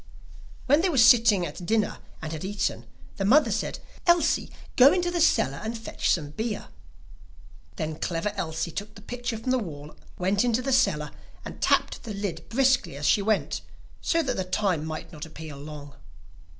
When they were sitting at dinner and had eaten, the mother said: 'Elsie, go into the cellar and fetch some beer.' Then Clever Elsie took the pitcher from the wall, went into the cellar, and tapped the lid briskly as she went, so that the time might not appear long.